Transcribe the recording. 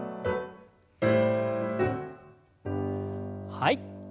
はい。